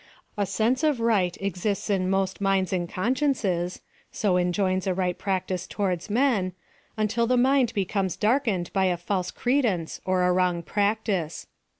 A sense of right exists in most minds and consciences — so enjoins a right practice towards men — until the mind becomes darkened by a false credence or a wrong practice.